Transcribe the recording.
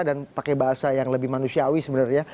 dan pakai bahasa yang lebih manusiawi sebenarnya